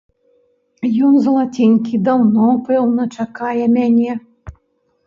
Ён, залаценькі, даўно, пэўна, чакае мяне.